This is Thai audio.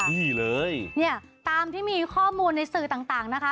นี่เลยเนี่ยตามที่มีข้อมูลในสื่อต่างนะคะ